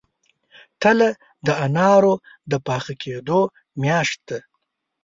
تله د انارو د پاخه کیدو میاشت ده.